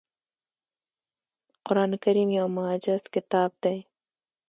قرآن کریم یو معجز کتاب دی .